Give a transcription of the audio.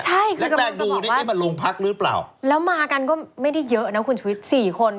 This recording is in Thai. ใช่คือกระมวงจะบอกว่าแล้วมากันก็ไม่ได้เยอะนะคุณชวิตสี่คน